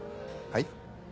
はい？